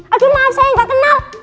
aduh maaf saya nggak kenal